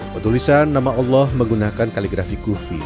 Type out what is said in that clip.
penulisan nama allah menggunakan kaligrafi kufi